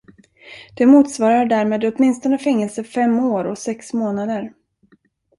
Det motsvarar därmed åtminstone fängelse fem år och sex månader.